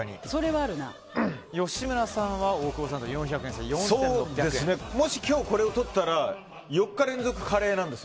吉村さんは大久保さんと４００円差でもし今日これをとったら４日連続でカレーなんですよ。